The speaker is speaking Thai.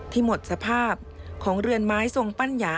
ที่หมดสภาพของเรือนไม้ทรงปัญญา